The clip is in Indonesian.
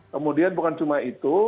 kemudian bukan cuma itu